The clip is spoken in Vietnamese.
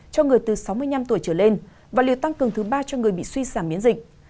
cho người từ sáu mươi năm tuổi trở lên và liệu tăng cường thứ ba cho người bị suy giảm miễn dịch